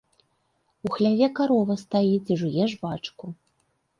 У хляве карова стаіць і жуе жвачку.